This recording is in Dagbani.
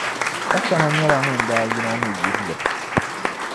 Asana nyɛla ŋun daa yina ni yili.